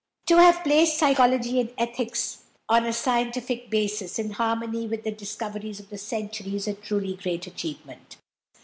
To have placed Psychology and Ethics on a scientific basis in harmony with the discoveries of the century is a truly great achievement.